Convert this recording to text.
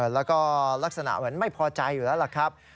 แล้วก็ลักษณะเหมือนไม่พอใจอยู่แล้วล่ะครับ